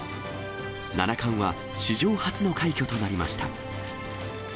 七冠は史上初の快挙となりました。